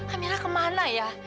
amira kemana ya